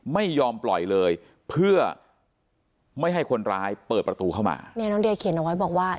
ไม่ยอมปล่อยเลยเพื่อไม่ให้คนร้ายเปิดประตูเข้ามาเนี่ยน้องเดียเขียนเอาไว้บอกว่า